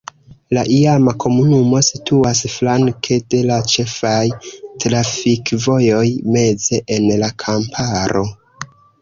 La iama komunumo situas flanke de la ĉefaj trafikvojoj meze en la kamparo.